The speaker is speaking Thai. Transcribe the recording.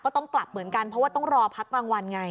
ต้องกลับเหมือนกันเพราะว่าต้องรอพักกลางวันไง